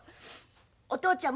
お父ちゃん